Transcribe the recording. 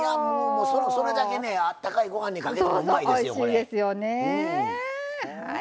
それだけねあったかいご飯にかけてもうまいですよこれ。